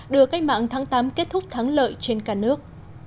đưa cách mạng tháng tám kết thúc thắng lợi trên cả nước